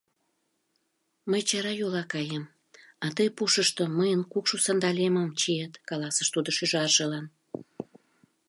— Мый чара йола каем, а тый пушышто мыйын кукшо сандалемым чиет, — каласыш тудо шӱжаржылан.